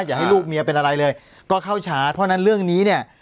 อย่าให้ลูกเมียเป็นอะไรเลยก็เข้าชาร์จเพราะฉะนั้นเรื่องนี้เนี่ย